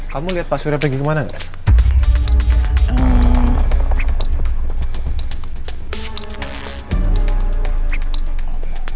kamu lihat pak surya pergi kemana gak